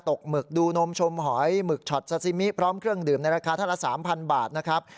หมึกดูนมชมหอยหมึกช็อตซาซิมิพร้อมเครื่องดื่มในราคาท่านละ๓๐๐บาทนะครับ